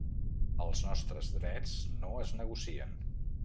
Els nostres drets no es negocien.